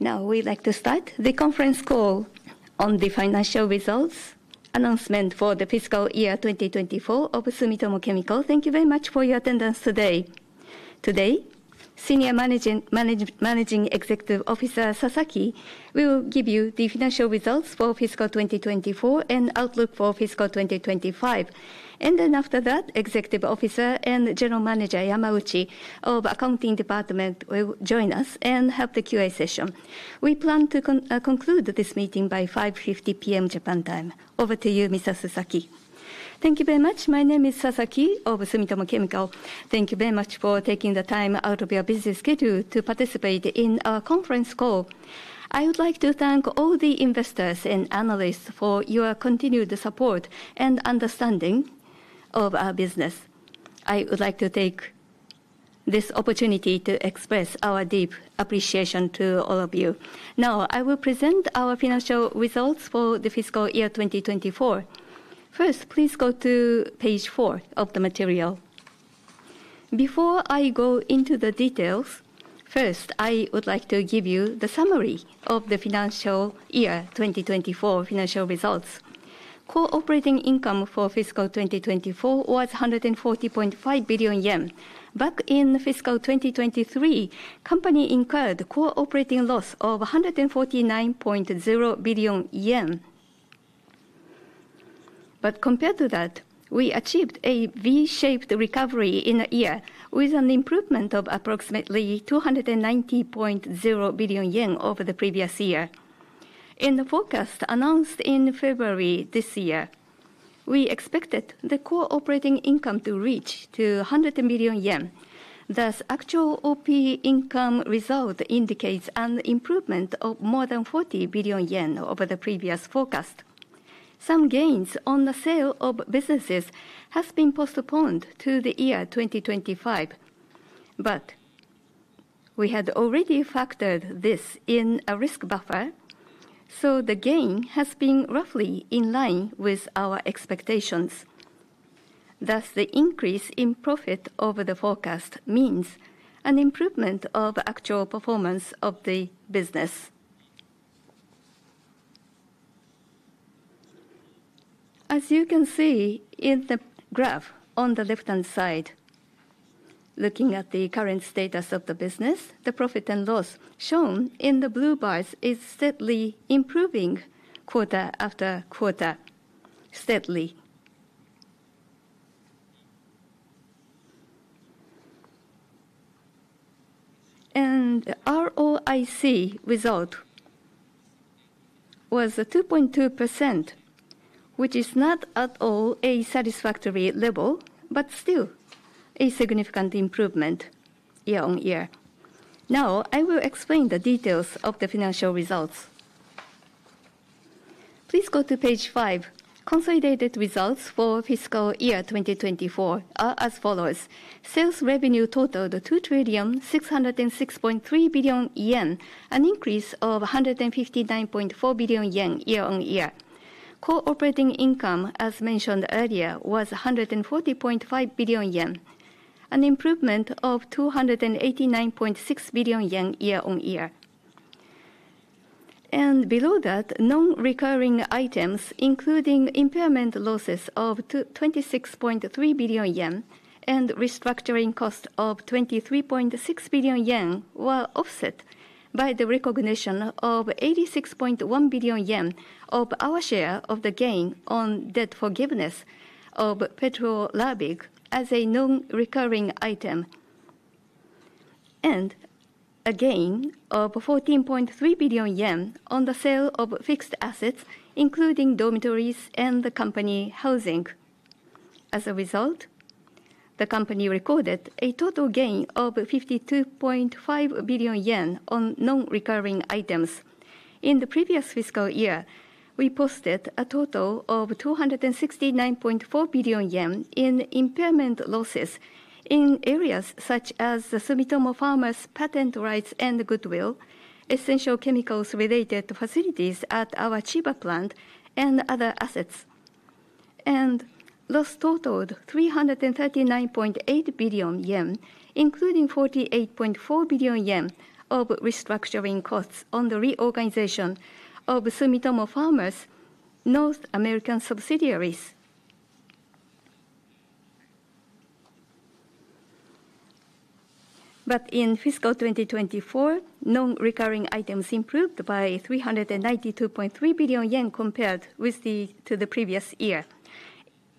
Now we'd like to start the conference call on the financial results announcement for the fiscal year 2024 of Sumitomo Chemical. Thank you very much for your attendance today. Today, Senior Managing Executive Officer Sasaki will give you the financial results for fiscal 2024 and outlook for fiscal 2025. After that, Executive Officer and General Manager Yamauchi of the Accounting Department will join us and help the Q&A session. We plan to conclude this meeting by 5:50 P.M. Japan time. Over to you, Mr. Sasaki. Thank you very much. My name is Sasaki of Sumitomo Chemical. Thank you very much for taking the time out of your busy schedule to participate in our conference call. I would like to thank all the investors and analysts for your continued support and understanding of our business. I would like to take this opportunity to express our deep appreciation to all of you. Now I will present our financial results for the fiscal year 2024. First, please go to page four of the material. Before I go into the details, first, I would like to give you the summary of the financial year 2024 financial results. Core operating income for fiscal 2024 was 140.5 billion yen. Back in fiscal 2023, the company incurred a core operating loss of 149.0 billion yen. Compared to that, we achieved a V-shaped recovery in a year with an improvement of approximately 290.0 billion yen over the previous year. In the forecast announced in February this year, we expected the core operating income to reach 200 million yen. Thus, actual operating income result indicates an improvement of more than 40 billion yen over the previous forecast. Some gains on the sale of businesses have been postponed to the year 2025, but we had already factored this in a risk buffer, so the gain has been roughly in line with our expectations. Thus, the increase in profit over the forecast means an improvement of actual performance of the business. As you can see in the graph on the left-hand side, looking at the current status of the business, the profit and loss shown in the blue bars is steadily improving quarter-after-quarter, steadily. The ROIC result was 2.2%, which is not at all a satisfactory level, but still a significant improvement year-on-year. Now I will explain the details of the financial results. Please go to page five. Consolidated results for fiscal year 2024 are as follows: Sales revenue totaled 2,606.3 billion yen, an increase of 159.4 billion yen year-on-year. operating income, as mentioned earlier, was 140.5 billion yen, an improvement of 289.6 billion yen year-on-year. Below that, non-recurring items, including impairment losses of 26.3 billion yen and restructuring costs of 23.6 billion yen, were offset by the recognition of 86.1 billion yen of our share of the gain on debt forgiveness of Petro Rabigh as a non-recurring item, and a gain of 14.3 billion yen on the sale of fixed assets, including dormitories and company housing. As a result, the company recorded a total gain of 52.5 billion yen on non-recurring items. In the previous fiscal year, we posted a total of 269.4 billion yen in impairment losses in areas such as Sumitomo Pharma's patent rights and goodwill, essential chemicals-related facilities at our Chiba plant, and other assets. Loss totaled 339.8 billion yen, including 48.4 billion yen of restructuring costs on the reorganization of Sumitomo Pharma's North American subsidiaries. In fiscal 2024, non-recurring items improved by 392.3 billion yen compared to the previous year.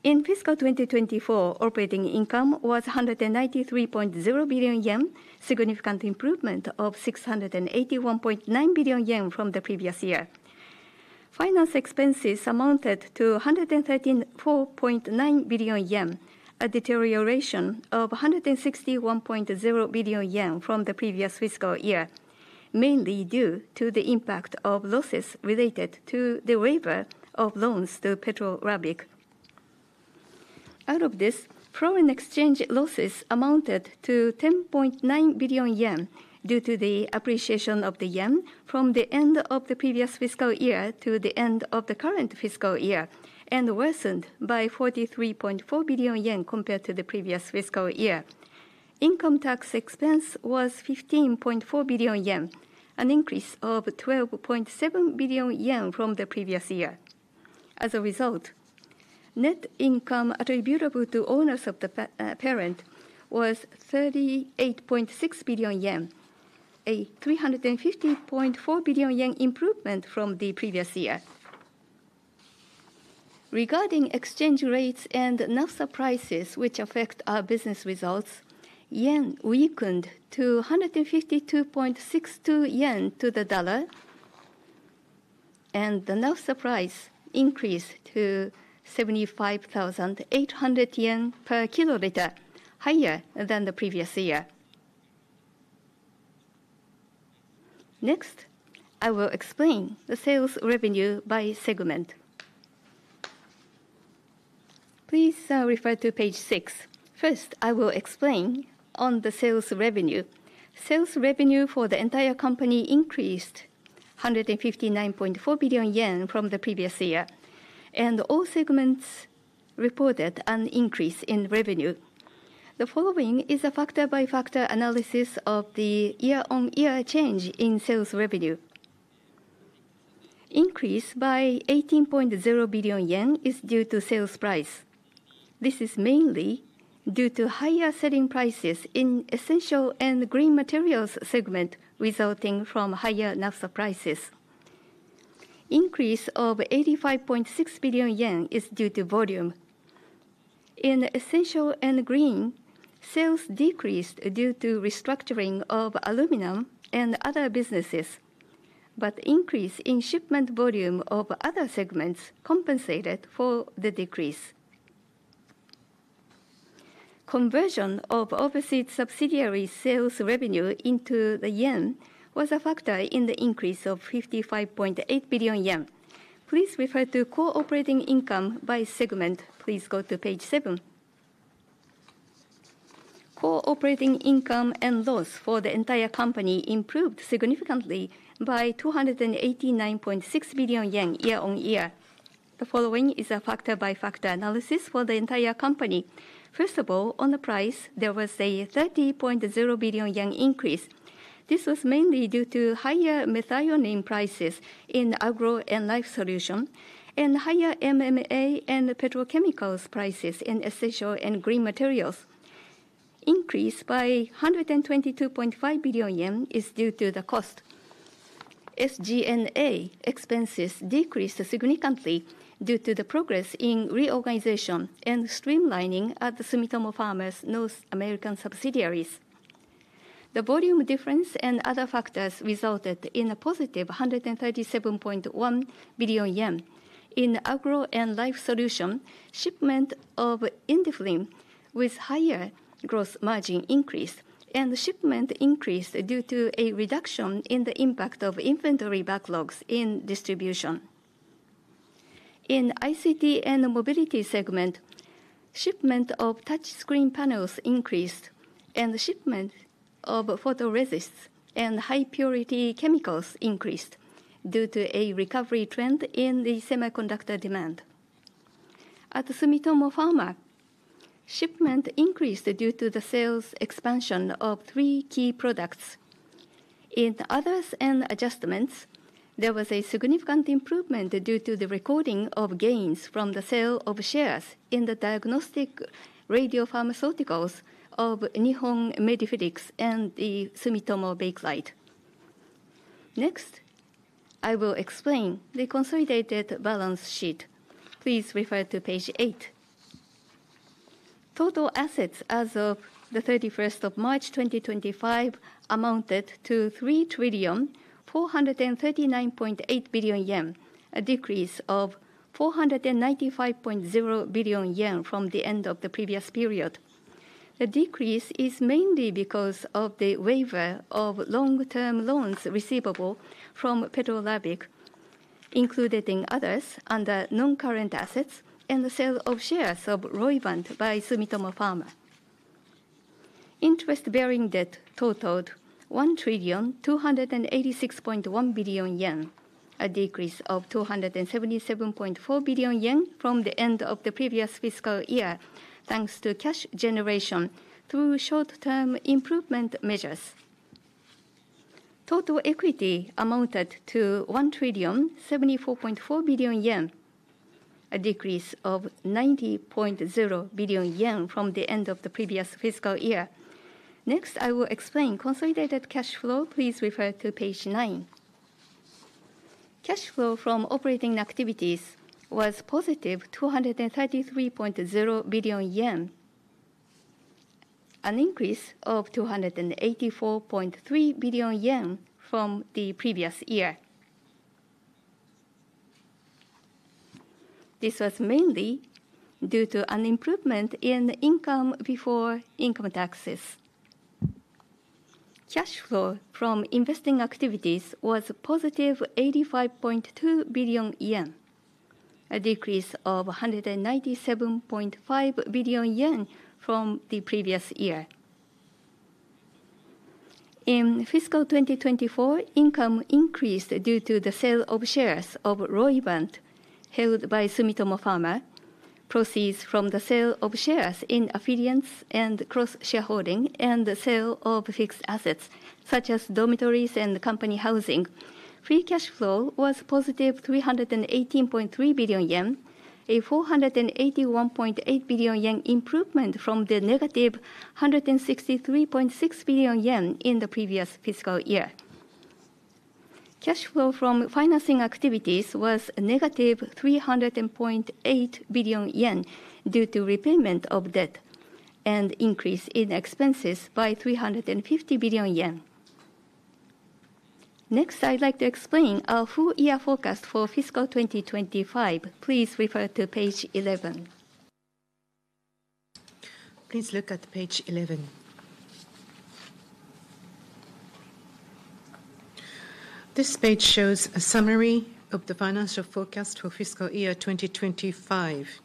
In fiscal 2024, operating income was 193.0 billion yen, a significant improvement of 681.9 billion yen from the previous year. Finance expenses amounted to 134.9 billion yen, a deterioration of 161.0 billion yen from the previous fiscal year, mainly due to the impact of losses related to the waiver of loans to Petro Rabigh. Out of this, foreign exchange losses amounted to 10.9 billion yen due to the appreciation of the yen from the end of the previous fiscal year to the end of the current fiscal year, and worsened by 43.4 billion yen compared to the previous fiscal year. Income tax expense was 15.4 billion yen, an increase of 12.7 billion yen from the previous year. As a result, net income attributable to owners of the parent was 38.6 billion yen, a 350.4 billion yen improvement from the previous year. Regarding exchange rates and naphtha prices, which affect our business results, yen weakened to 152.62 yen to the dollar, and the naphtha price increased to 75,800 yen per kiloliter, higher than the previous year. Next, I will explain the sales revenue by segment. Please refer to page six. First, I will explain on the sales revenue. Sales revenue for the entire company increased 159.4 billion yen from the previous year, and all segments reported an increase in revenue. The following is a factor-by-factor analysis of the year-on-year change in sales revenue. Increase by 18.0 billion yen is due to sales price. This is mainly due to higher selling prices in the essential and green materials segment resulting from higher naphtha prices. Increase of 85.6 billion yen is due to volume. In essential and green, sales decreased due to restructuring of aluminum and other businesses, but increase in shipment volume of other segments compensated for the decrease. Conversion of overseas subsidiary sales revenue into the yen was a factor in the increase of 55.8 billion yen. Please refer to core operating income by segment. Please go to page seven. Core operating income and loss for the entire company improved significantly by 289.6 billion yen year-on-year. The following is a factor-by-factor analysis for the entire company. First of all, on the price, there was a 30.0 billion yen increase. This was mainly due to higher methionine prices in agro and life solution and higher MMA and petrochemicals prices in essential and green materials. Increase by 122.5 billion yen is due to the cost. SG&A expenses decreased significantly due to the progress in reorganization and streamlining at Sumitomo Pharma's North American subsidiaries. The volume difference and other factors resulted in a positive 137.1 billion yen. In Agro and Life Solution, shipment of Indiflam with higher gross margin increase, and shipment increased due to a reduction in the impact of inventory backlogs in distribution. In ICT and Mobility segment, shipment of touchscreen panels increased, and shipment of photoresists and high-purity chemicals increased due to a recovery trend in the semiconductor demand. At Sumitomo Pharma, shipment increased due to the sales expansion of three key products. In Others and Adjustments, there was a significant improvement due to the recording of gains from the sale of shares in the diagnostic radiopharmaceuticals of Nihon Medi-Physics and Sumitomo Bakelite. Next, I will explain the consolidated balance sheet. Please refer to page eight. Total assets as of the 31st of March 2025 amounted to 3, 439.8 billion, a decrease of 495.0 billion yen from the end of the previous period. The decrease is mainly because of the waiver of long-term loans receivable from Petro Rabigh, included in others under non-current assets, and the sale of shares of Roivant by Sumitomo Pharma. Interest-bearing debt totaled 1,286.1 billion yen, a decrease of 277.4 billion yen from the end of the previous fiscal year, thanks to cash generation through short-term improvement measures. Total equity amounted to 1,74.4 billion yen, a decrease of 90.0 billion yen from the end of the previous fiscal year. Next, I will explain consolidated cash flow. Please refer to page nine. Cash flow from operating activities was positive 233.0 billion yen, an increase of 284.3 billion yen from the previous year. This was mainly due to an improvement in income before income taxes. Cash flow from investing activities was positive 85.2 billion yen, a decrease of 197.5 billion yen from the previous year. In fiscal 2024, income increased due to the sale of shares of Roivant held by Sumitomo Pharma, proceeds from the sale of shares in affiliates and cross-shareholding, and the sale of fixed assets such as dormitories and company housing. Free cash flow was positive 318.3 billion yen, a 481.8 billion yen improvement from the negative 163.6 billion yen in the previous fiscal year. Cash flow from financing activities was -300.8 billion yen due to repayment of debt and increase in expenses by 350 billion yen. Next, I'd like to explain our full year forecast for fiscal 2025. Please refer to page 11. Please look at page 11. This page shows a summary of the financial forecast for fiscal year 2025.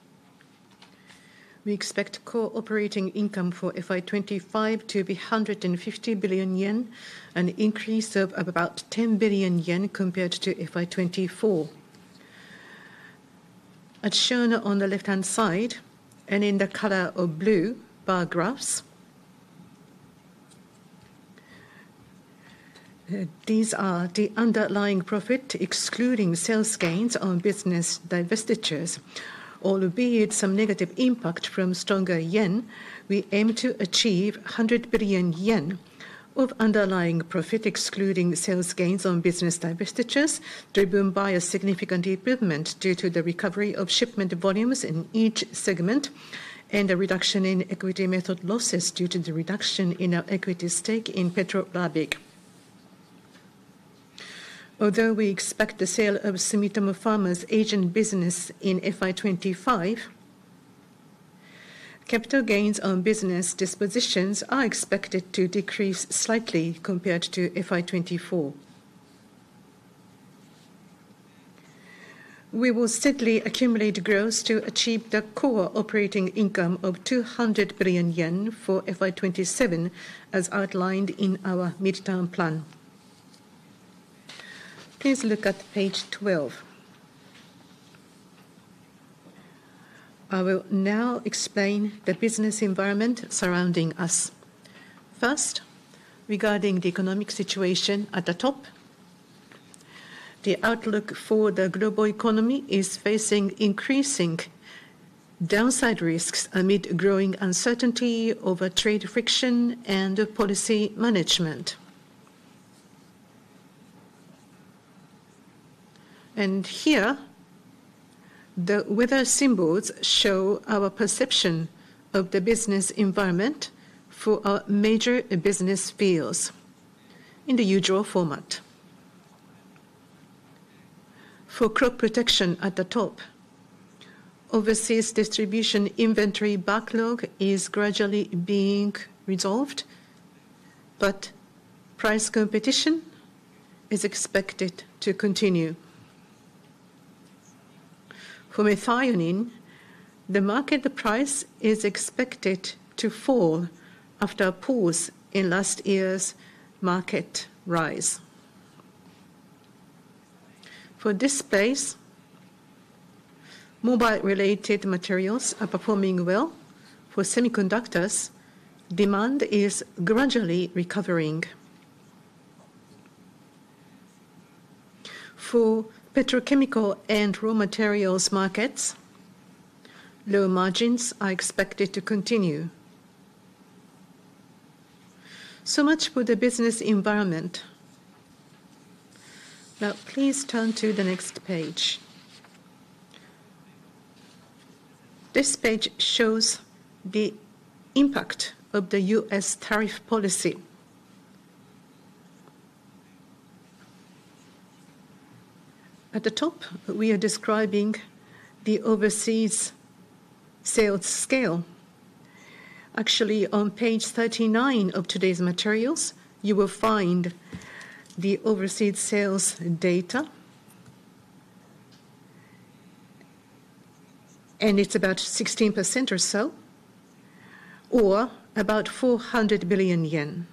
We expect core operating income for FY 2025 to be 150 billion yen, an increase of about 10 billion yen compared to FY 2024. As shown on the left-hand side and in the color of blue bar graphs, these are the underlying profit excluding sales gains on business divestitures. Albeit some negative impact from stronger yen, we aim to achieve 100 billion yen of underlying profit excluding sales gains on business divestitures driven by a significant improvement due to the recovery of shipment volumes in each segment and a reduction in equity method losses due to the reduction in our equity stake in Petro Rabigh. Although we expect the sale of Sumitomo Pharma's agent business in FY 2025, capital gains on business dispositions are expected to decrease slightly compared to FY 2024. We will steadily accumulate growth to achieve the core operating income of 200 billion yen for FY 2027, as outlined in our midterm plan. Please look at page 12. I will now explain the business environment surrounding us. First, regarding the economic situation at the top, the outlook for the global economy is facing increasing downside risks amid growing uncertainty over trade friction and policy management. Here, the weather symbols show our perception of the business environment for our major business fields in the usual format. For crop protection at the top, overseas distribution inventory backlog is gradually being resolved, but price competition is expected to continue. For methionine, the market price is expected to fall after a pause in last year's market rise. For this space, mobile-related materials are performing well. For semiconductors, demand is gradually recovering. For petrochemical and raw materials markets, low margins are expected to continue. So much for the business environment. Now, please turn to the next page. This page shows the impact of the U.S. tariff policy. At the top, we are describing the overseas sales scale. Actually, on page 39 of today's materials, you will find the overseas sales data, and it's about 16% or so, or about JPY 400 billion.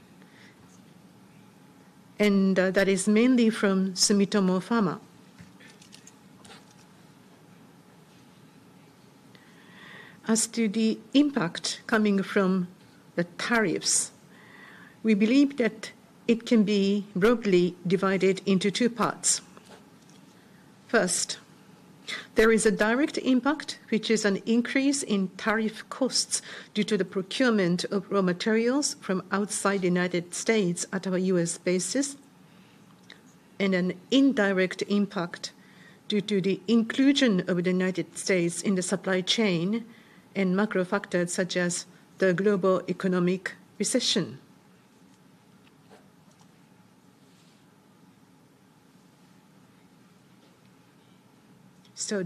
That is mainly from Sumitomo Pharma. As to the impact coming from the tariffs, we believe that it can be broadly divided into two parts. First, there is a direct impact, which is an increase in tariff costs due to the procurement of raw materials from outside the United States at our U.S. basis, and an indirect impact due to the inclusion of the United States in the supply chain and macro factors such as the global economic recession.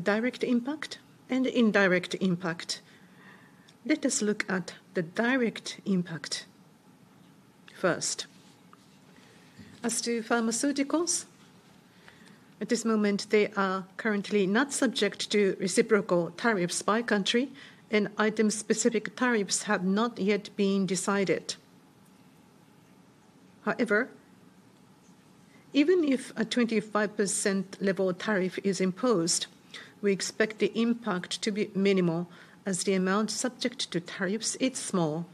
Direct impact and indirect impact. Let us look at the direct impact first. As to pharmaceuticals, at this moment, they are currently not subject to reciprocal tariffs by country, and item-specific tariffs have not yet been decided. However, even if a 25% level tariff is imposed, we expect the impact to be minimal as the amount subject to tariffs is small.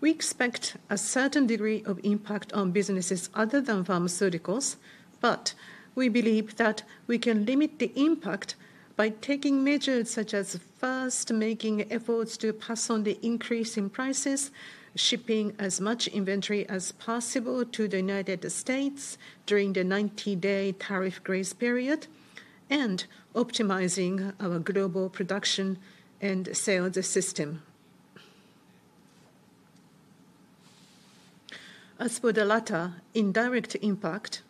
We expect a certain degree of impact on businesses other than pharmaceuticals, but we believe that we can limit the impact by taking measures such as fast-making efforts to pass on the increase in prices, shipping as much inventory as possible to the United States during the 90-day tariff grace period, and optimizing our global production and sales system. As for the latter indirect impact,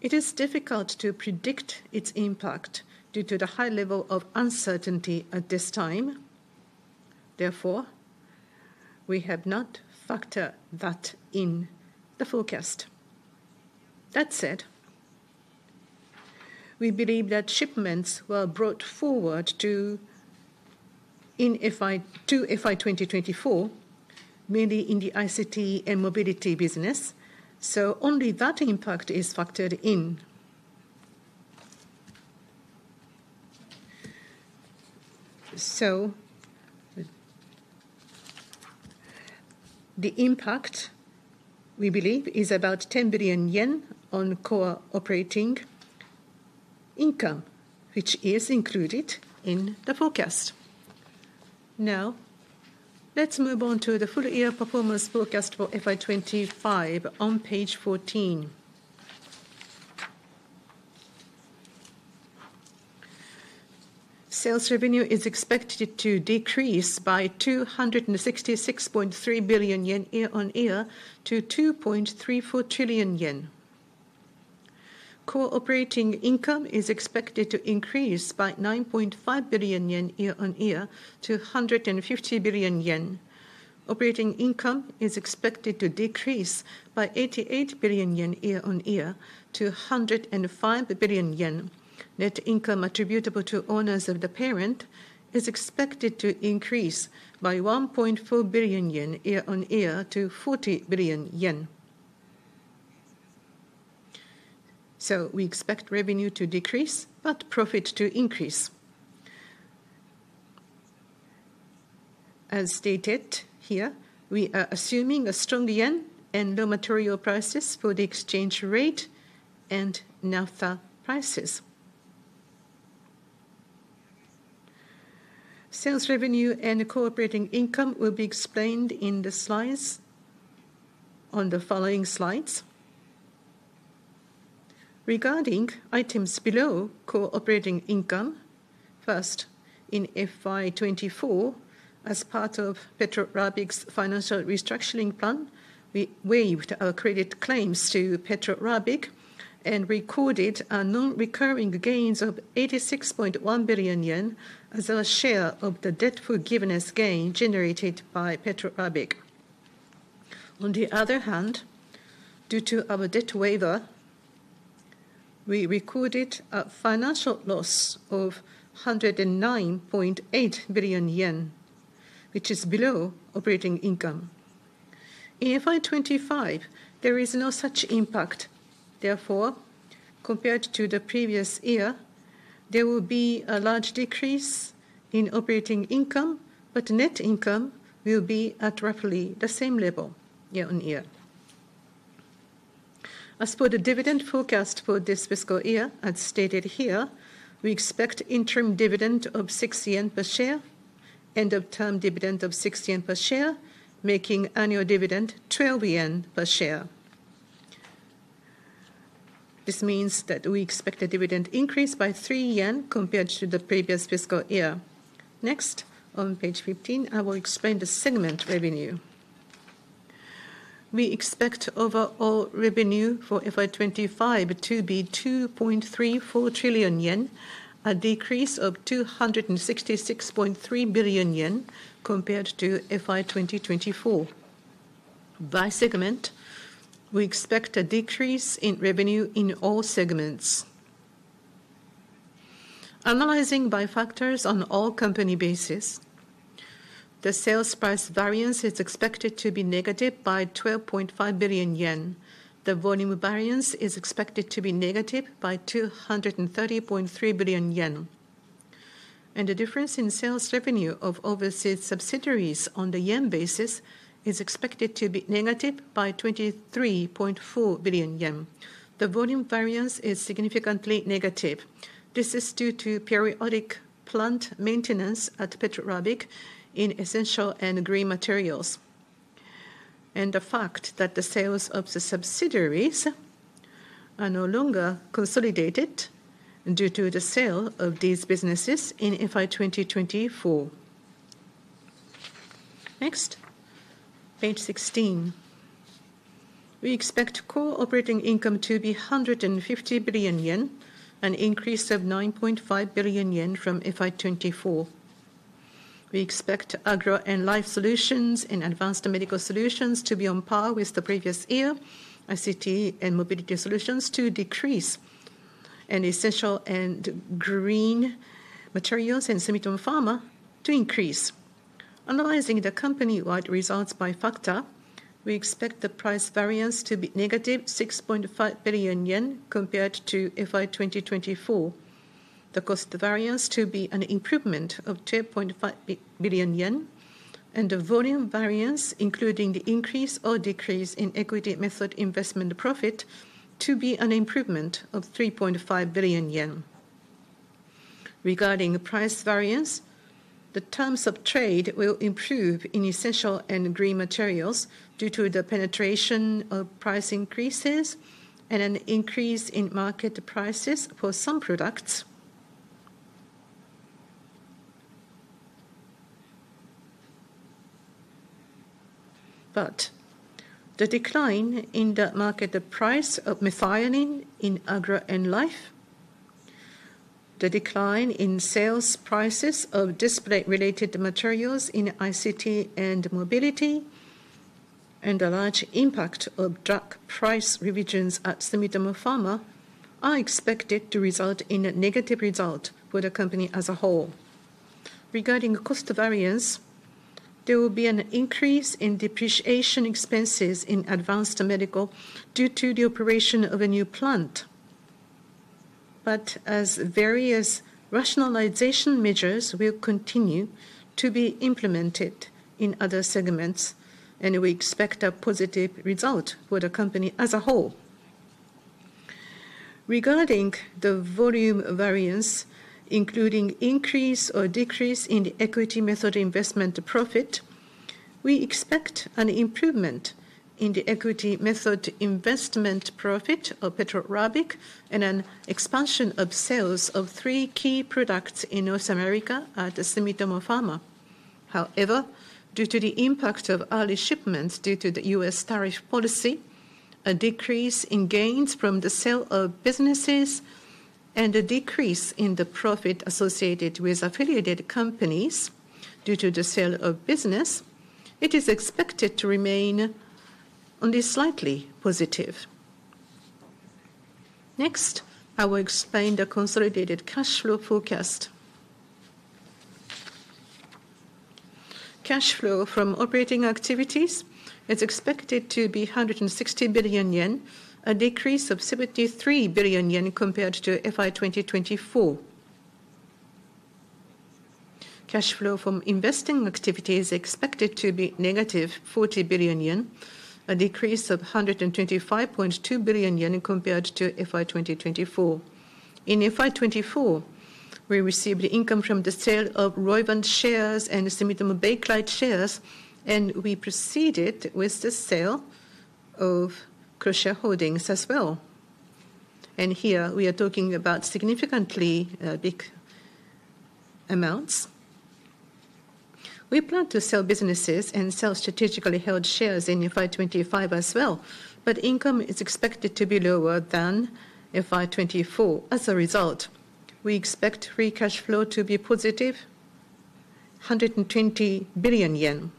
it is difficult to predict its impact due to the high level of uncertainty at this time. Therefore, we have not factored that in the forecast. That said, we believe that shipments were brought forward to FY 2024 mainly in the ICT and mobility business, so only that impact is factored in. The impact, we believe, is about 10 billion yen on core operating income, which is included in the forecast. Now, let's move on to the full year performance forecast for FY 2025 on page 14. Sales revenue is expected to decrease by 266.3 billion yen year on year to 2.34 trillion yen. Core operating income is expected to increase by 9.5 billion yen year-on-year to 150 billion yen. Operating income is expected to decrease by 88 billion yen year-on-year to 105 billion yen. Net income attributable to owners of the parent is expected to increase by 1.4 billion yen year-on-year to 40 billion yen. We expect revenue to decrease but profit to increase. As stated here, we are assuming a strong yen and raw material prices for the exchange rate and naphtha prices. Sales revenue and core operating income will be explained in the slides on the following slides. Regarding items below core operating income, first, in FY 2024, as part of Petro Rabigh's financial restructuring plan, we waived our credit claims to Petro Rabigh and recorded our non-recurring gains of 86.1 billion yen as our share of the debt forgiveness gain generated by Petro Rabigh. On the other hand, due to our debt waiver, we recorded a financial loss of 109.8 billion yen, which is below operating income. In FY 2025, there is no such impact. Therefore, compared to the previous year, there will be a large decrease in operating income, but net income will be at roughly the same level year-on-year. As for the dividend forecast for this fiscal year, as stated here, we expect interim dividend of 6 yen per share and uptime dividend of 6 yen per share, making annual dividend 12 yen per share. This means that we expect a dividend increase by 3 yen compared to the previous fiscal year. Next, on page 15, I will explain the segment revenue. We expect overall revenue for FY 2025 to be 2.34 trillion yen, a decrease of 266.3 billion yen compared to FY 2024. By segment, we expect a decrease in revenue in all segments. Analyzing by factors on all company bases, the sales price variance is expected to be negative by 12.5 billion yen. The volume variance is expected to be negative by 230.3 billion yen. The difference in sales revenue of overseas subsidiaries on the yen basis is expected to be negative by 23.4 billion yen. The volume variance is significantly negative. This is due to periodic plant maintenance at Petro Rabigh in essential and grain materials. The fact that the sales of the subsidiaries are no longer consolidated due to the sale of these businesses in FY 2024. Next, page 16. We expect core operating income to be 150 billion yen, an increase of 9.5 billion yen from FY 2024. We expect Agro and Life Solutions and Advanced Medical Solutions to be on par with the previous year, ICT and mobility solutions to decrease, and essential and grain materials and Sumitomo Pharma to increase. Analyzing the company-wide results by factor, we expect the price variance to be -6.5 billion yen compared to FY 2024, the cost variance to be an improvement of 12.5 billion yen, and the volume variance, including the increase or decrease in equity method investment profit, to be an improvement of 3.5 billion yen. Regarding price variance, the terms of trade will improve in essential and grain materials due to the penetration of price increases and an increase in market prices for some products. However, the decline in the market price of methionine in Agro and Life, the decline in sales prices of display-related materials in ICT and mobility, and the large impact of drug price revisions at Sumitomo Pharma are expected to result in a negative result for the company as a whole. Regarding cost variance, there will be an increase in depreciation expenses in advanced medical due to the operation of a new plant. However, as various rationalization measures will continue to be implemented in other segments, we expect a positive result for the company as a whole. Regarding the volume variance, including increase or decrease in the equity method investment profit, we expect an improvement in the equity method investment profit of Petro Rabigh and an expansion of sales of three key products in North America at Sumitomo Pharma. However, due to the impact of early shipments due to the U.S. tariff policy, a decrease in gains from the sale of businesses, and a decrease in the profit associated with affiliated companies due to the sale of business, it is expected to remain only slightly positive. Next, I will explain the consolidated cash flow forecast. Cash flow from operating activities is expected to be 160 billion yen, a decrease of 73 billion yen compared to FY 2024. Cash flow from investing activities is expected to be JPY- 40 billion, a decrease of 125.2 billion yen compared to FY 2024. FY 2024, we received income from the sale of Roivant shares and Sumitomo Bakelite shares, and we proceeded with the sale of Croda Holdings as well. Here, we are talking about significantly big amounts. We plan to sell businesses and sell strategically held shares in FY 2025 as well, but income is expected to be lower than FY 2024. As a result, we expect free cash flow to be positive, 120 billion yen.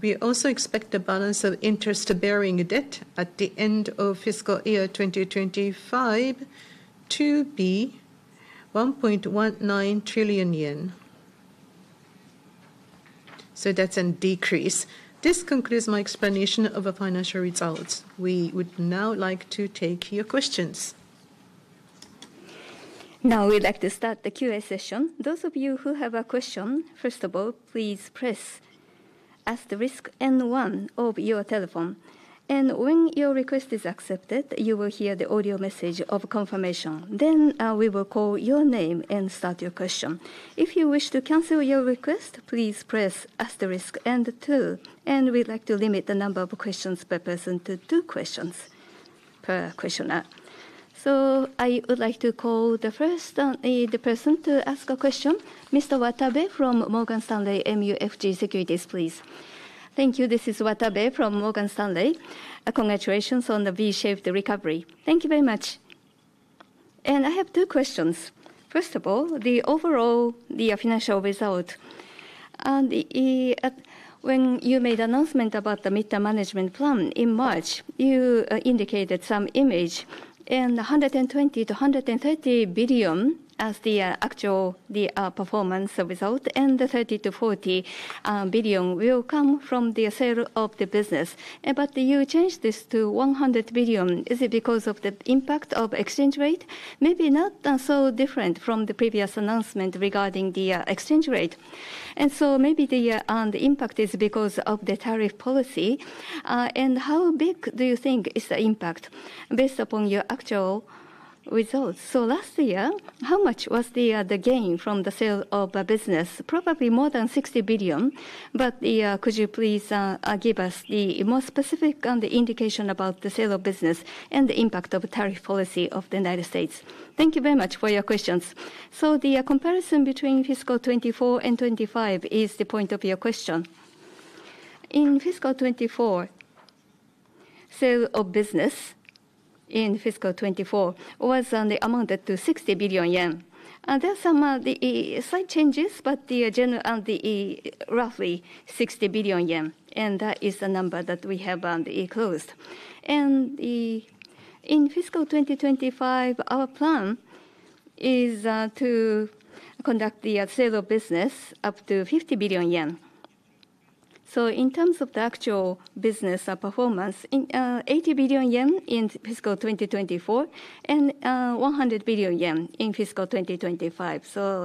We also expect the balance of interest-bearing debt at the end of fiscal year 2025 to be JPY 1.19 trillion. That is a decrease. This concludes my explanation of our financial results. We would now like to take your questions. Now, we'd like to start the Q&A session. Those of you who have a question, first of all, please press asterisk N1 of your telephone. When your request is accepted, you will hear the audio message of confirmation. We will call your name and start your question. If you wish to cancel your request, please press asterisk N2. We would like to limit the number of questions per person to two questions per questionnaire. I would like to call the first person to ask a question, Mr. Watabe from Morgan Stanley MUFG Securities, please. Thank you. This is Watabe from Morgan Stanley. Congratulations on the V-shaped recovery. Thank you very much. I have two questions. First of all, the overall financial result. When you made the announcement about the MITA management plan in March, you indicated some image and 120 billion-130 billion as the actual performance result, and 30 billion-40 billion will come from the sale of the business. You changed this to 100 billion. Is it because of the impact of exchange rate? Maybe not so different from the previous announcement regarding the exchange rate. Maybe the impact is because of the tariff policy. How big do you think is the impact based upon your actual results? Last year, how much was the gain from the sale of business? Probably more than 60 billion. Could you please give us a more specific indication about the sale of business and the impact of the tariff policy of the United States? Thank you very much for your questions. The comparison between fiscal 2024 and 2025 is the point of your question. In fiscal 2024, sale of business in fiscal 2024 was on the amount of 60 billion yen. There are some slight changes, but the general roughly 60 billion yen. That is the number that we have on the closed. In fiscal 2025, our plan is to conduct the sale of business up to 50 billion yen. In terms of the actual business performance, 80 billion yen in fiscal 2024 and 100 billion yen in fiscal 2025.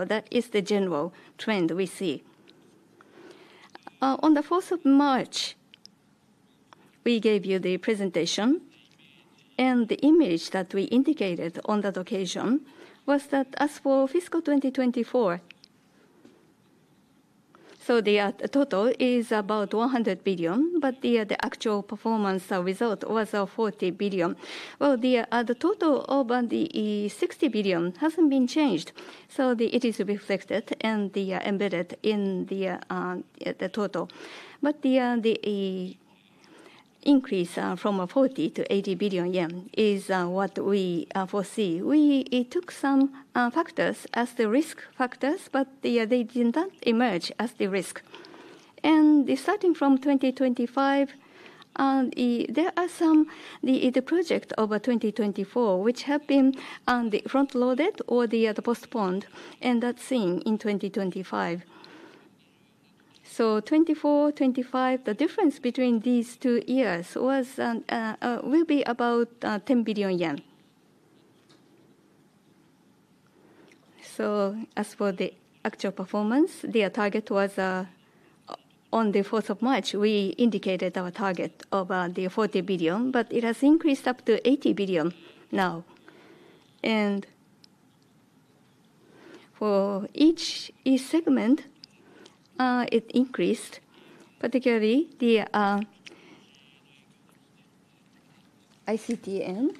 That is the general trend we see. On the 4th of March, we gave you the presentation. The image that we indicated on that occasion was that as for fiscal 2024, the total is about 100 billion, but the actual performance result was 40 billion. The total of the 60 billion has not been changed. It is reflected and embedded in the total. The increase from 40 billion-80 billion yen is what we foresee. We took some factors as the risk factors, but they did not emerge as the risk. Starting from 2025, there are some projects over 2024 which have been front-loaded or postponed and that's seen in 2025. 2024, 2025, the difference between these two years will be about 10 billion yen. As for the actual performance, their target was on the 4th of March, we indicated our target of 40 billion, but it has increased up to 80 billion now. For each segment, it increased, particularly the ICT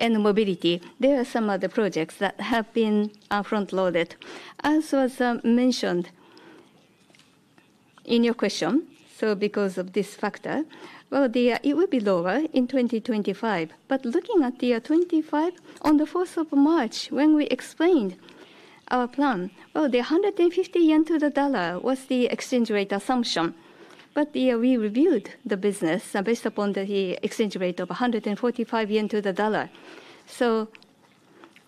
and mobility. There are some other projects that have been front-loaded. As was mentioned in your question, because of this factor, it will be lower in 2025. Looking at 2025, on the 4th of March, when we explained our plan, the 150 yen to the dollar was the exchange rate assumption. We reviewed the business based upon the exchange rate of 145 yen to the dollar.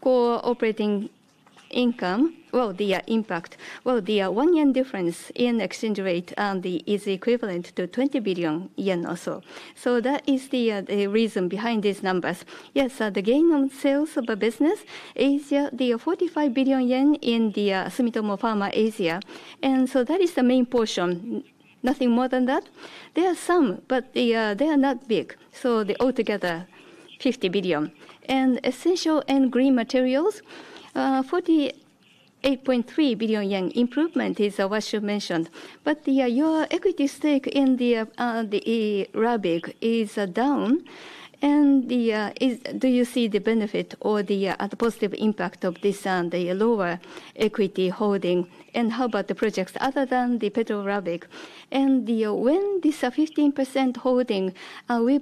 Core operating income, the impact, the one yen difference in exchange rate is equivalent to 20 billion yen or so. That is the reason behind these numbers. Yes, the gain of sales of a business is the 45 billion yen in the Sumitomo Pharma area. That is the main portion. Nothing more than that. There are some, but they are not big. Altogether, 50 billion. Essential and grain materials, 48.3 billion yen improvement is what you mentioned. Your equity stake in Petro Rabigh is down. Do you see the benefit or the positive impact of this on the lower equity holding? How about the projects other than Petro Rabigh? When will this 15% holding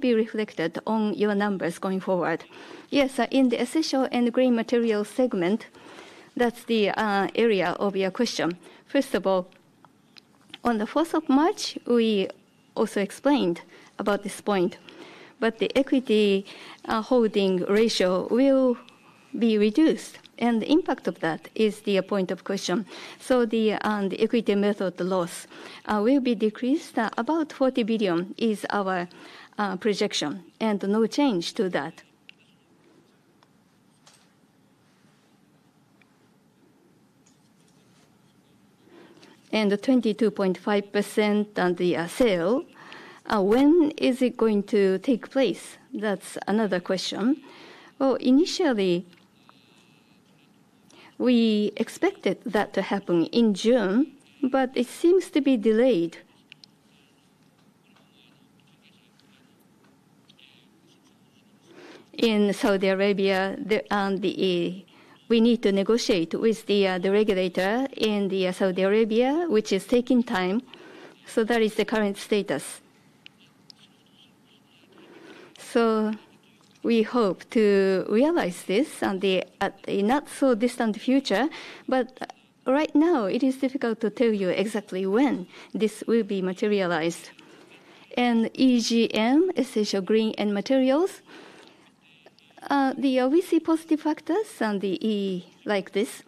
be reflected on your numbers going forward? Yes, in the essential and grain materials segment, that's the area of your question. First of all, on the 4th of March, we also explained about this point. The equity holding ratio will be reduced, and the impact of that is the point of question. The equity method loss will be decreased. About 40 billion is our projection, and no change to that. 22.5% on the sale. When is it going to take place? That's another question. Initially, we expected that to happen in June, but it seems to be delayed. In Saudi Arabia, we need to negotiate with the regulator in Saudi Arabia, which is taking time. That is the current status. We hope to realize this in the not-so-distant future. Right now, it is difficult to tell you exactly when this will be materialized. EGM, Essential Grain and Materials, the OVC positive factors on the E like this.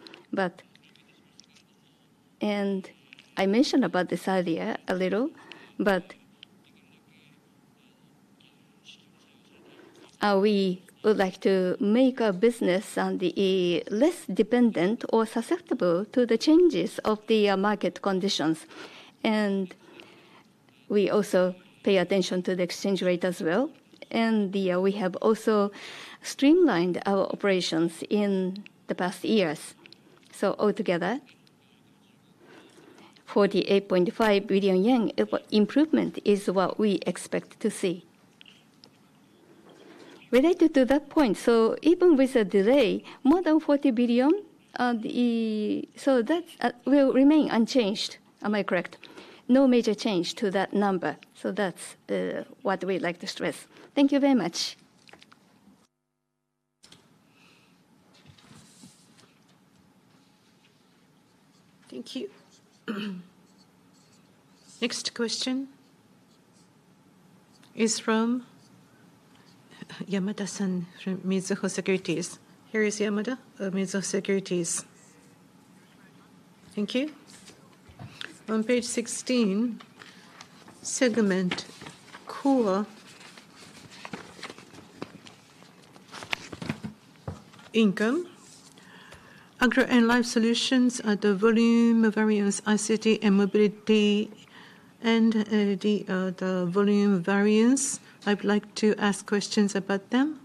I mentioned about this earlier a little, but we would like to make our business on the E less dependent or susceptible to the changes of the market conditions. We also pay attention to the exchange rate as well. We have also streamlined our operations in the past years. Altogether, 48.5 billion yen improvement is what we expect to see. Related to that point, even with a delay, more than 40 billion, that will remain unchanged. Am I correct? No major change to that number. That is what we would like to stress. Thank you very much. Thank you. Next question is from Yamada-san from Mizuho Securities. Here is Yamada of Mizuho Securities. Thank you. On page 16, segment core income, Agro and Life Solutions, the volume variance, ICT and mobility, and the volume variance. I would like to ask questions about them.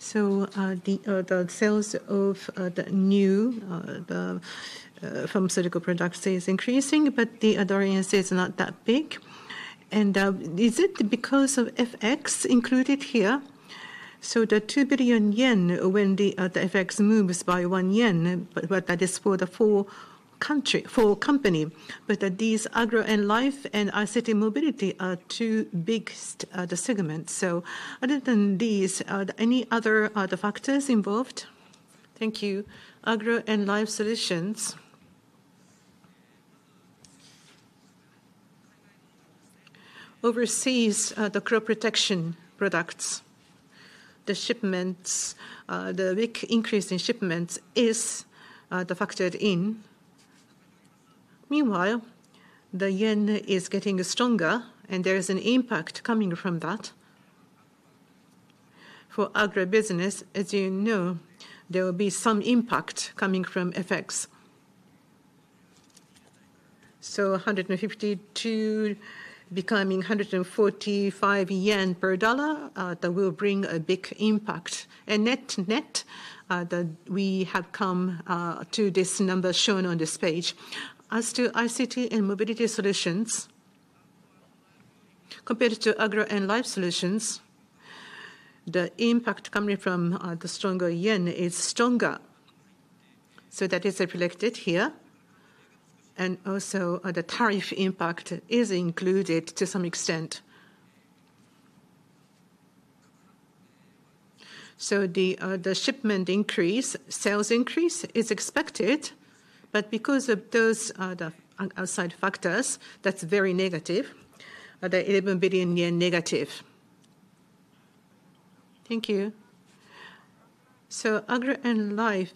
The sales of the new pharmaceutical products is increasing, but the variance is not that big. Is it because of FX included here? The 2 billion yen when the FX moves by 1 yen, but that is for the four companies. These Agro and Life and ICT mobility are two big segments. Other than these, are there any other factors involved? Thank you. Agro and Life Solutions. Overseas, the crop protection products, the shipments, the big increase in shipments is factored in. Meanwhile, the yen is getting stronger, and there is an impact coming from that. For agribusiness, as you know, there will be some impact coming from FX. 152 becoming 145 yen per dollar will bring a big impact. Net net, we have come to this number shown on this page. As to ICT and mobility solutions, compared to Agro and Life Solutions, the impact coming from the stronger yen is stronger. That is reflected here. Also, the tariff impact is included to some extent. The shipment increase, sales increase is expected. Because of those outside factors, that is very negative. The JPY 11- billion. Thank you. Agro and Life,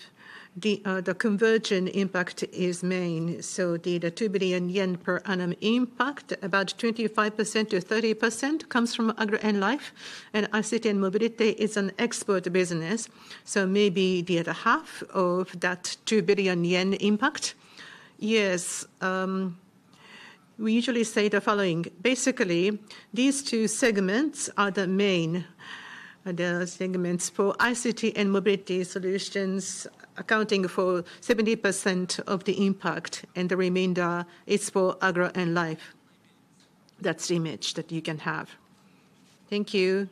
the convergent impact is main. The 2 billion yen per annum impact, about 25%-30%, comes from Agro and Life. ICT and mobility is an export business. Maybe the other half of that 2 billion yen impact. Yes. We usually say the following. Basically, these two segments are the main segments for ICT and mobility solutions, accounting for 70% of the impact, and the remainder is for Agro and Life. That is the image that you can have. Thank you.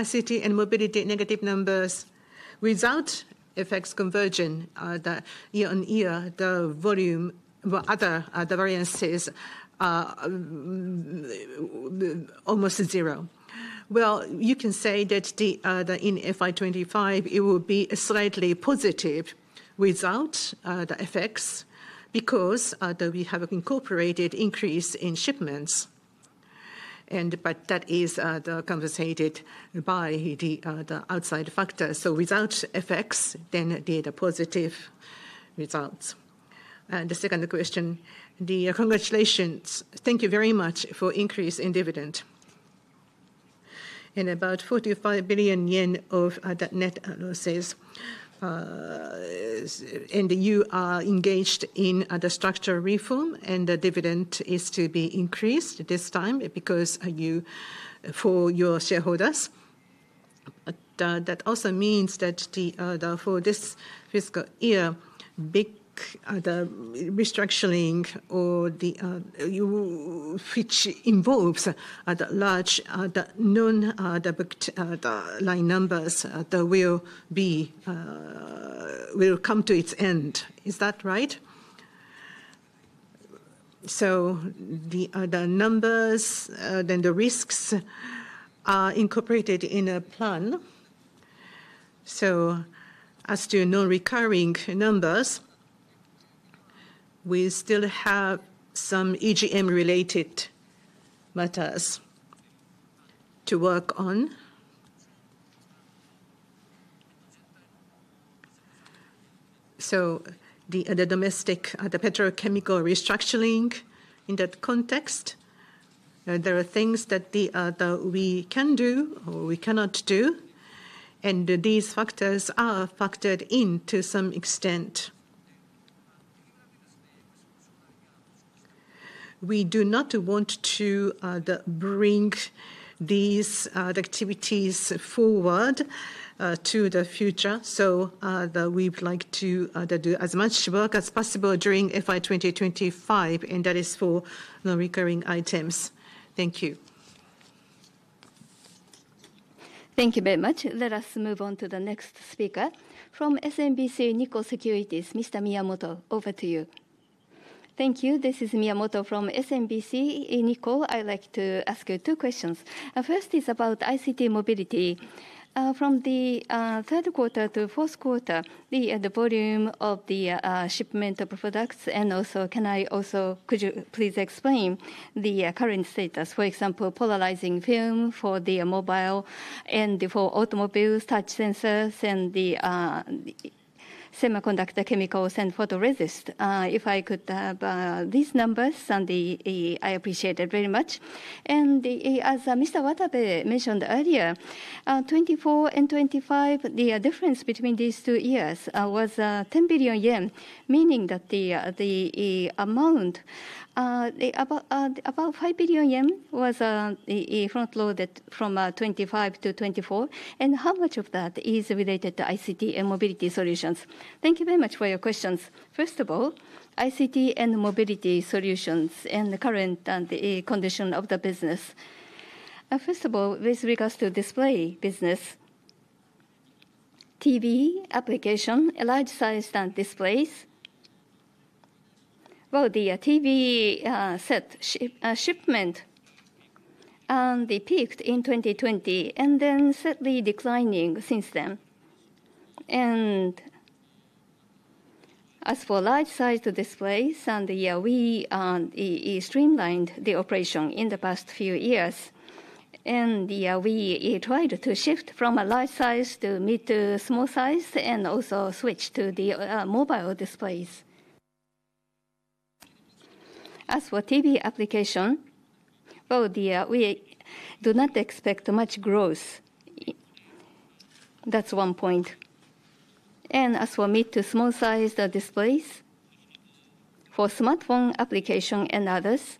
ICT and mobility negative numbers. Without FX convergence, year-on-year, the volume or other variances are almost zero. You can say that in FY 2025, it will be slightly positive without the FX because we have incorporated increase in shipments. That is compensated by the outside factors. Without FX, then the positive results. The second question, the congratulations. Thank you very much for increase in dividend. About 45 billion yen of net losses. You are engaged in the structural reform, and the dividend is to be increased this time because you for your shareholders. That also means that for this fiscal year, big restructuring or the which involves the large non-debt line numbers, that will come to its end. Is that right? The numbers and the risks are incorporated in a plan. As to non-recurring numbers, we still have some EGM-related matters to work on. The domestic petrochemical restructuring in that context, there are things that we can do or we cannot do. These factors are factored in to some extent. We do not want to bring these activities forward to the future. We would like to do as much work as possible during FY 2025, and that is for non-recurring items. Thank you. Thank you very much. Let us move on to the next speaker from SMBC Nikko Securities, Mr. Miyamoto. Over to you. Thank you. This is Miyamoto from SMBC Nikko. I would like to ask you two questions. First is about ICT mobility. From the third quarter to fourth quarter, the volume of the shipment of products and also could you please explain the current status? For example, polarizing film for the mobile and for automobiles, touch sensors, and the semiconductor chemicals and photoresist. If I could have these numbers, I appreciate it very much. As Mr. Watabe mentioned earlier, 2024 and 2025, the difference between these two years was 10 billion yen, meaning that the amount about 5 billion yen was front-loaded from 2025-2024. How much of that is related to ICT and mobility solutions? Thank you very much for your questions. First of all, ICT and mobility solutions and the current condition of the business. First of all, with regards to display business, TV application, large-sized displays. The TV set shipment peaked in 2020 and then steadily declining since then. As for large-sized displays, we streamlined the operation in the past few years. We tried to shift from a large-sized to mid to small size and also switch to the mobile displays. As for TV application, we do not expect much growth. That is one point. As for mid to small-sized displays, for smartphone application and others,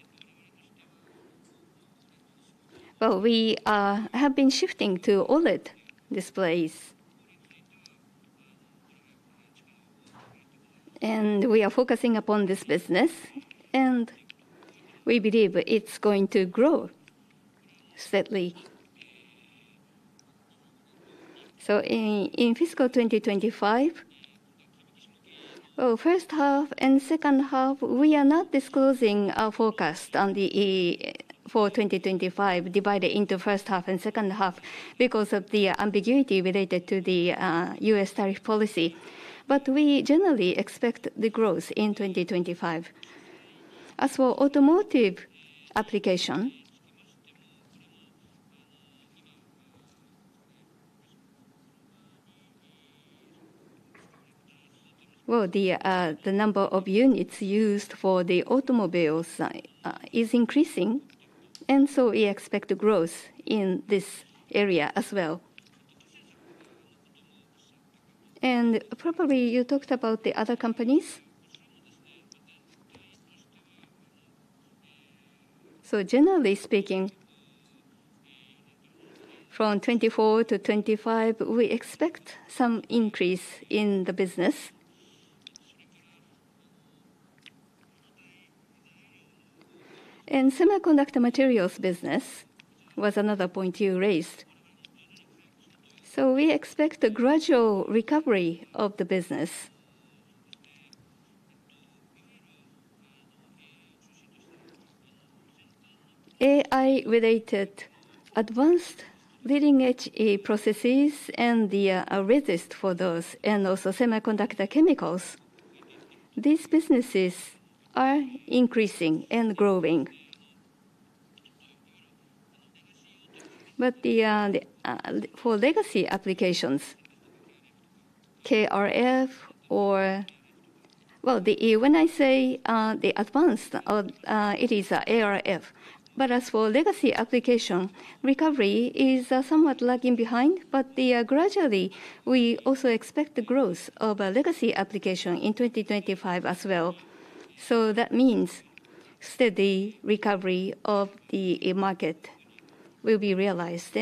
we have been shifting to OLED displays. We are focusing upon this business, and we believe it is going to grow steadily. In fiscal 2025, first half and second half, we are not disclosing our forecast for 2025 divided into first half and second half because of the ambiguity related to the U.S. tariff policy. We generally expect the growth in 2025. As for automotive application, the number of units used for the automobiles is increasing, and we expect growth in this area as well. Probably you talked about the other companies. Generally speaking, from 2024-2025, we expect some increase in the business. Semiconductor materials business was another point you raised. We expect a gradual recovery of the business. AI-related advanced leading-edge processes and the resist for those, and also semiconductor chemicals. These businesses are increasing and growing. For legacy applications, KRF or, when I say the advanced, it is ARF. As for legacy application, recovery is somewhat lagging behind. Gradually, we also expect the growth of legacy application in 2025 as well. That means steady recovery of the market will be realized.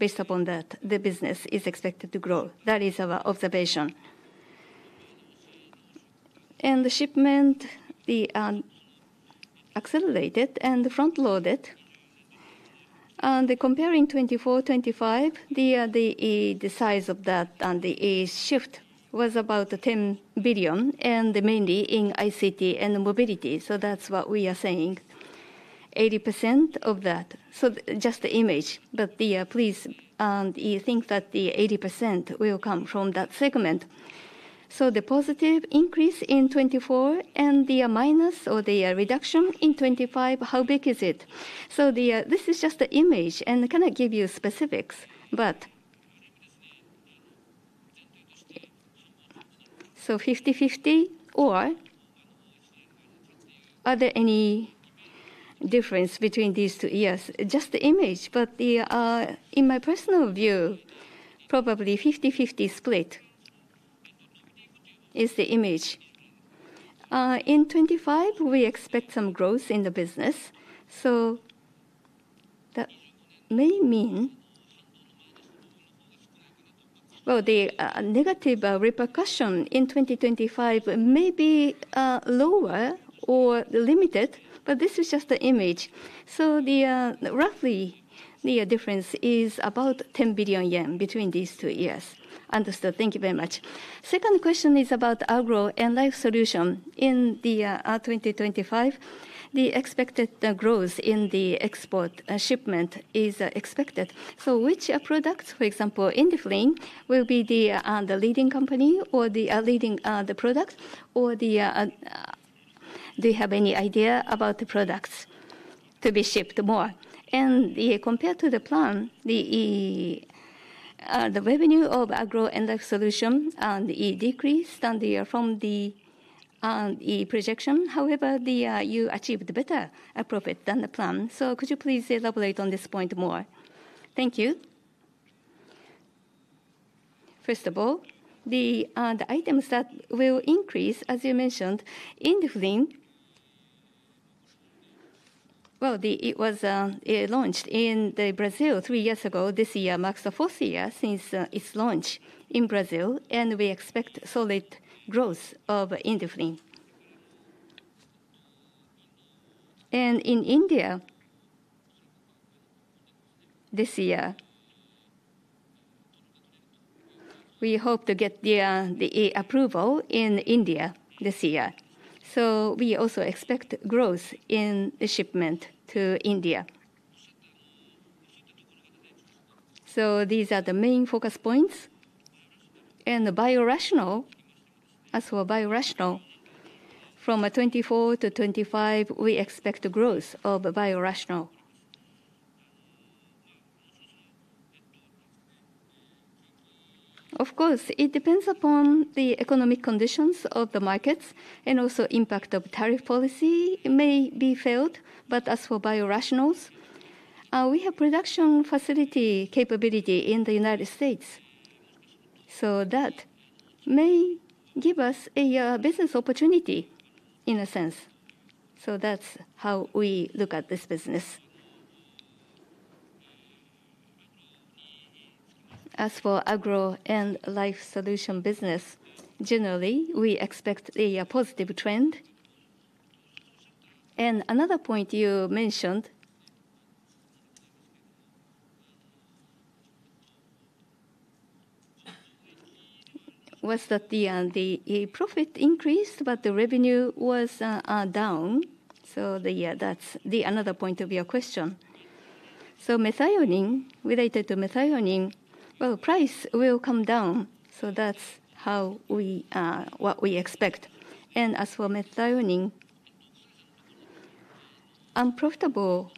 Based upon that, the business is expected to grow. That is our observation. The shipment, the accelerated and front-loaded. Comparing 2024, 2025, the size of that and the shift was about 10 billion, mainly in ICT and mobility. That is what we are saying, 80% of that. Just the image. Please, you think that the 80% will come from that segment. The positive increase in 2024 and the minus or the reduction in 2025, how big is it? This is just the image. I cannot give you specifics, but 50-50 or are there any differences between these two years? Just the image. In my personal view, probably a 50-50 split is the image. In 2025, we expect some growth in the business. That may mean the negative repercussion in 2025 may be lower or limited, but this is just the image. Roughly, the difference is about 10 billion yen between these two years. Understood. Thank you very much. Second question is about Agro and Life Solution in 2025. The expected growth in the export shipment is expected. Which products, for example, Indiflam, will be the leading company or the leading product? Or do you have any idea about the products to be shipped more? Compared to the plan, the revenue of Agro and Life Solution decreased from the projection. However, you achieved better profit than the plan. Could you please elaborate on this point more? Thank you. First of all, the items that will increase, as you mentioned, Indiflam, it was launched in Brazil three years ago. This year marks the fourth year since its launch in Brazil. We expect solid growth of Indiflam. In India, this year, we hope to get the approval in India this year. We also expect growth in the shipment to India. These are the main focus points. As for biorational, from 2024-2025, we expect growth of biorational. Of course, it depends upon the economic conditions of the markets and also impact of tariff policy may be felt. As for biorationals, we have production facility capability in the United States. That may give us a business opportunity in a sense. That is how we look at this business. As for Agro and Life Solution business, generally, we expect a positive trend. Another point you mentioned was that the profit increased, but the revenue was down. That is another point of your question. Methionine, related to methionine, price will come down. That is what we expect. As for methionine, unprofitable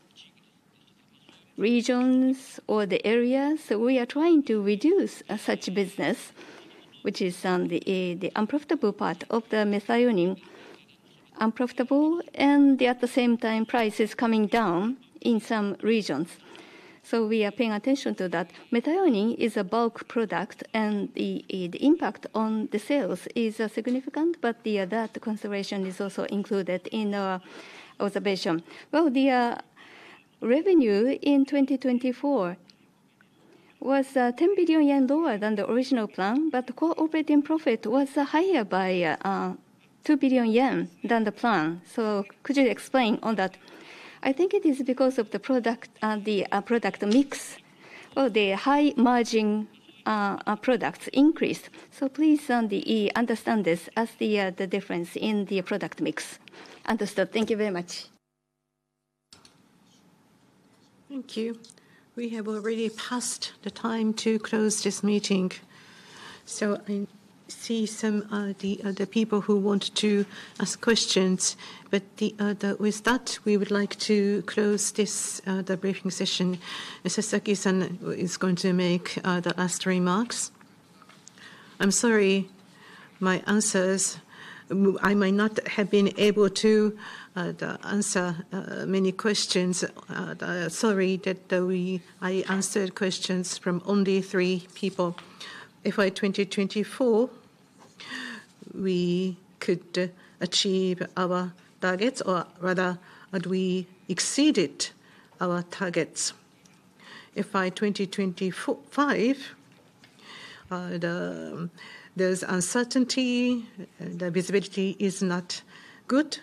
regions or the areas, we are trying to reduce such business, which is the unprofitable part of the methionine, unprofitable, and at the same time, price is coming down in some regions. We are paying attention to that. Methionine is a bulk product, and the impact on the sales is significant. That consideration is also included in our observation. The revenue in 2024 was 10 billion yen lower than the original plan, but the cooperating profit was higher by 2 billion yen than the plan. Could you explain on that? I think it is because of the product mix or the high-margin products increase. Please understand this as the difference in the product mix. Understood. Thank you very much. Thank you. We have already passed the time to close this meeting. I see some of the people who want to ask questions. With that, we would like to close this briefing session. Sasaki is going to make the last remarks. I'm sorry, my answers, I might not have been able to answer many questions. Sorry that I answered questions from only three people. FY 2024, we could achieve our targets, or rather, had we exceeded our targets? FY 2025, there's uncertainty, the visibility is not good.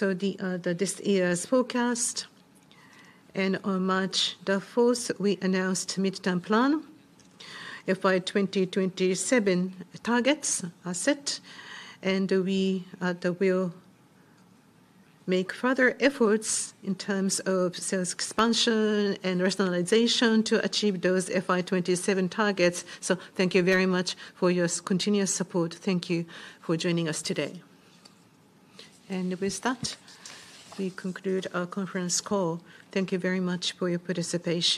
This year's forecast, and on March 4, we announced midterm plan. FY 2027, targets are set, and we will make further efforts in terms of sales expansion and rationalization to achieve those FY 2027 targets. Thank you very much for your continuous support. Thank you for joining us today. With that, we conclude our conference call. Thank you very much for your participation.